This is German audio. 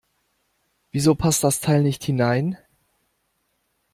Wieso passt das Teil nicht hinein?